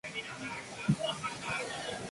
Tiene tres hijos.